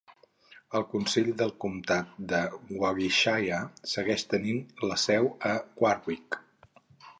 El consell del comtat de Warwickshire segueix tenint la seu a Warwick.